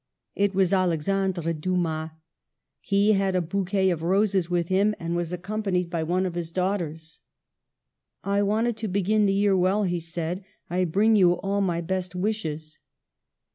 "It was Alexandre Dumas. He had a bou quet of roses with him, and was accompanied by one of his daughters. " 'I wanted to begin the year well,' he said ; ^I bring you all my best wishes.'